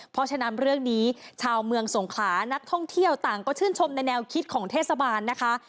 เพราะฉะนั้นเรื่องนี้ชาวเมืองสงขลานักท่องเที่ยวต่างก็ชื่นชมในแนวคิดของเทศบาลนะคะ